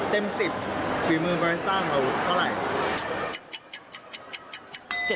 เต็มสิบฝีมือบาริสต้าของเราเท่าไหร่